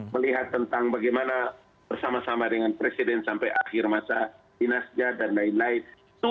melihat tentang bagaimana bersama sama dengan presiden sampai akhir masa dinasnya dan lain lain